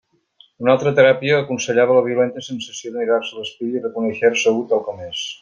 Una altra teràpia aconsellava la violenta sensació de mirar-se a l'espill i reconéixer-se u tal com és.